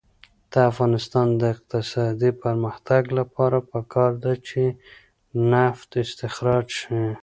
د افغانستان د اقتصادي پرمختګ لپاره پکار ده چې نفت استخراج شي.